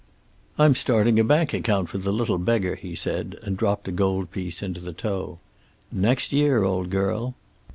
"I'm starting a bank account for the little beggar," he said, and dropped a gold piece into the toe. "Next year, old girl."